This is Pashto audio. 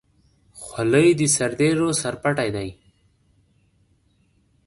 خولۍ د سرتېرو سرپټۍ ده.